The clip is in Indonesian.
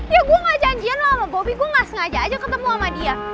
ya gue gak janjian lah sama bobi gue gak sengaja aja ketemu sama dia